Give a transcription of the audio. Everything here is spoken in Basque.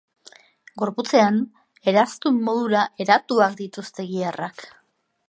Gorputzean eraztun modura eratuak dituzte giharrak.